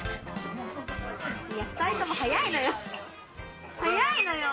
２人とも早いのよ。